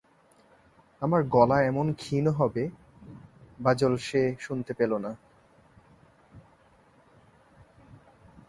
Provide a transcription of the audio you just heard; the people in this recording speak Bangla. আমার গলা এমন ক্ষীণ হবে বাজল সে শুনতে পেলে না।